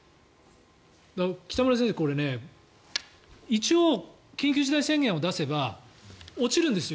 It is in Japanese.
北村先生、これ、一応緊急事態宣言を出せば落ちるんですよ。